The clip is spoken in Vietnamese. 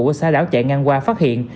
ở xa đảo chạy ngang qua phát hiện